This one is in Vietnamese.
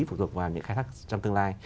phụ thuộc vào những khai thác trong tương lai